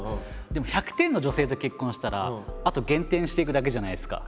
でも１００点の女性と結婚したらあと減点していくだけじゃないですか。